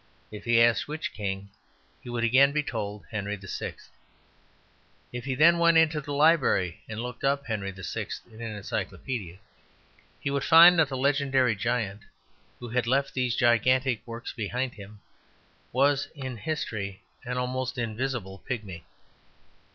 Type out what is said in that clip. If he asked which king, he would again be told Henry VI. If he then went into the library and looked up Henry VI. in an encyclopædia, he would find that the legendary giant, who had left these gigantic works behind him, was in history an almost invisible pigmy.